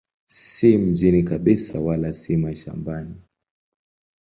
Si mjini kabisa wala si mashambani.